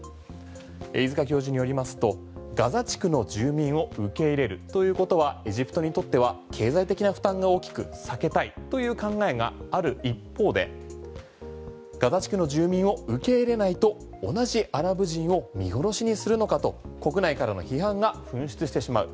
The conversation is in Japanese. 飯塚教授によりますとガザ地区の住民を受け入れるということはエジプトにとっては経済的な負担が大きく避けたいという考えがある一方でガザ地区の住民を受け入れないと同じアラブ人を見殺しにするのかと国内からの批判が噴出してしまう。